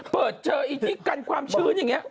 เปิดเจออีกที่กันความชื้นอย่างนี้